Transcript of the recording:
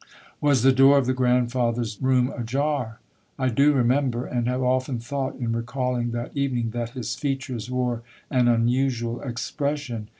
"Was the door of the grandfather's room ajar? I do remember, and have often thought in recalling that evening, that his features wore an unusual ex pression.